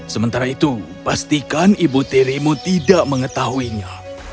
sementara itu pastikan ibu tirimu tidak mengetahuinya